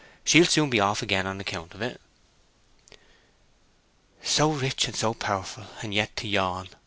She'll soon be off again on account of it." "So rich and so powerful, and yet to yawn!"